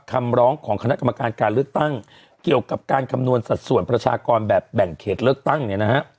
คำร้องของคณะกรรมการการเลือกตั้งเกี่ยวกับการคำนวณสัดส่วนประชากรแบบแบ่งเขตเลือกตั้งเนี่ยนะฮะ